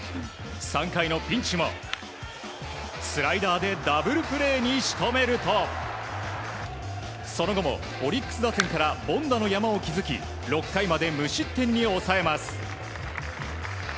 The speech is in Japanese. ３回のピンチも、スライダーでダブルプレーにしとめるとその後もオリックス打線から凡打の山を築き６回まで無失点に抑えます。